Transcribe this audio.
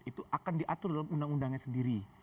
itu akan diatur dalam undang undangnya sendiri